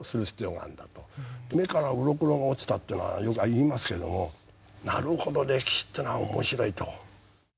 「目からうろこが落ちた」っていうのはよく言いますけどもなるほど歴史っていうのは面白いと。